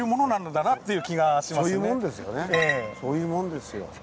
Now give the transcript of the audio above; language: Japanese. そういうもんですよね。